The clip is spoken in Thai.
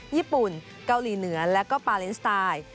ญี่ปุ่นเกาหลีเหนือและก็ปาเลนสไตล์